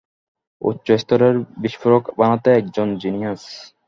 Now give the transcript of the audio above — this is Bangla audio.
উচ্চস্তরের বিস্ফোরক বানাতে এ একজন জিনিয়াস।